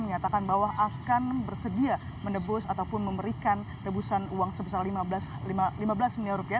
menyatakan bahwa akan bersedia menebus ataupun memberikan tebusan uang sebesar lima belas miliar rupiah